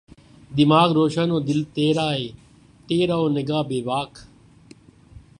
دماغ روشن و دل تیرہ و نگہ بیباک